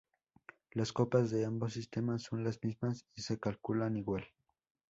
Las copas de ambos sistemas son las mismas y se calculan igual.